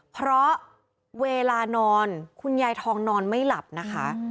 เพราะเวลานอนคุณยายทองนอนไม่หลับนะคะ